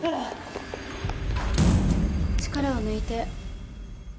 力を抜いて。